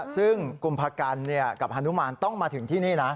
ซึ่งกุมภากันกับฮานุมานต้องมาถึงที่นี่นะ